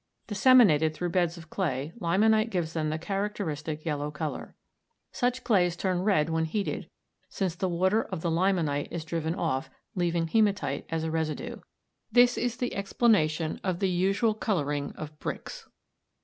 Disseminated through beds of clay, limonite gives them the characteristic yellow color. Such clays turn red when heated, since the water of the limonite is driven off, leaving hematite as a residue. This is the explanation of the usual coloring of bricks.